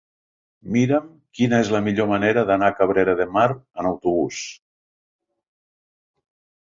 Mira'm quina és la millor manera d'anar a Cabrera de Mar amb autobús.